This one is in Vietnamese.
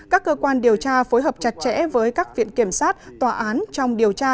các cơ quan điều tra phối hợp chặt chẽ với các viện kiểm sát tòa án trong điều tra